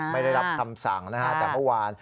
ไม่ได้รับคำสั่งนะฮะแต่เมื่อวาน